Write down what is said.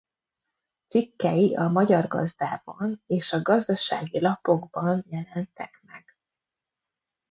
Cikkei a Magyar Gazdában és a Gazdasági Lapokban jelentek meg.